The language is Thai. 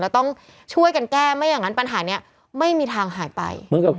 แล้วต้องช่วยกันแก้ไม่อย่างนั้นปัญหานี้ไม่มีทางหายไป